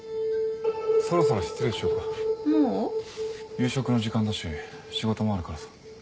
夕食の時間だし仕事もあるからさ。